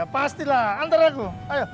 pastilah antar aku ayo